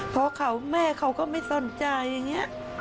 เพราะแม่เขาก็ไม่สนใจอย่างนี้